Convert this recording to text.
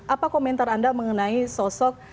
apa komentar anda mengenai sosok